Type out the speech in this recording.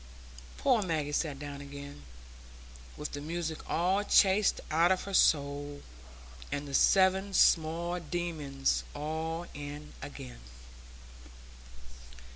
Poor Maggie sat down again, with the music all chased out of her soul, and the seven small demons all in again.